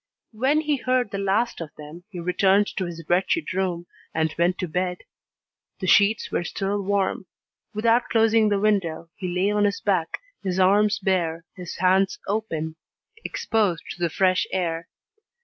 When he heard the last of them, he returned to his wretched room, and went to bed. The sheets were still warm. Without closing the window, he lay on his back, his arms bare, his hands open, exposed to the fresh air.